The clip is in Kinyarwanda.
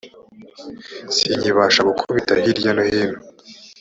sinkibasha gukubita hirya no hino,